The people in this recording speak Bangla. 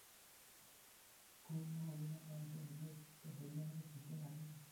ক্ষুণ্ন অভিমানে রমেশের হৃদয় স্ফীত হইয়া উঠিতে লাগিল।